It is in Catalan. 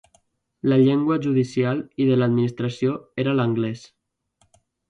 La llengua judicial i de l'administració era l'anglès.